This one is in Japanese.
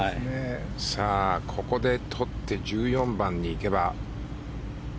ここで取って１４番に行けば。